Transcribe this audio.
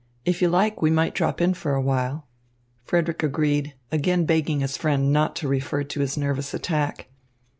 "If you like, we might drop in for a while." Frederick agreed, again begging his friend not to refer to his nervous attack.